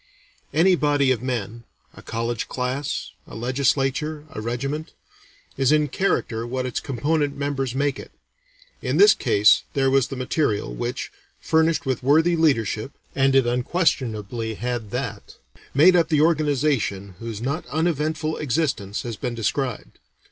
Any body of men a college class, a legislature, a regiment is in character what its component members make it; in this case there was the material, which, furnished with worthy leadership and it unquestionably had that made up the organization whose not uneventful existence has been described.